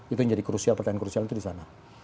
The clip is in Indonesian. itu yang jadi crucial pertanyaan crucial itu di sana